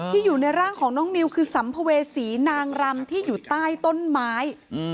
อยู่ในร่างของน้องนิวคือสัมภเวษีนางรำที่อยู่ใต้ต้นไม้